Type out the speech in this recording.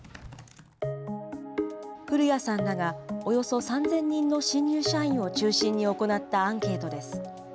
古屋さんらがおよそ３０００人の新入社員を中心に行ったアンケートです。